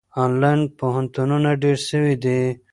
آنلاین پوهنتونونه ډېر سوي دي.